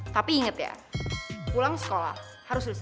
tapi inget ya pulang sekolah harus lulus